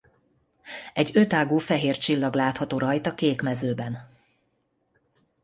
Egy ötágú fehér csillag látható rajta kék mezőben.